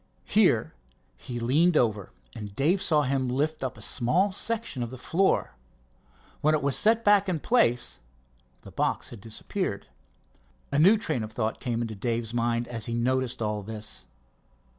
Here he leaned over, and Dave saw him lift up a small section of the floor. When it was set back in place the box had disappeared. A new train of thought came into Dave's mind as he noticed all this.